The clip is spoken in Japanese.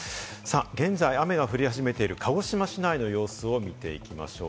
現在、雨が降り始めている鹿児島市内の様子を見ていきましょう。